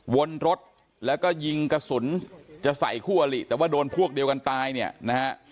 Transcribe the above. วนรถแล้วก็ยิงกระสุนจะใส่คู่อลิแต่ว่าโดนพวกเดียวกันตายเนี่ยนะฮะ